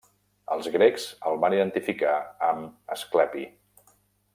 Els grecs el van identificar amb Asclepi.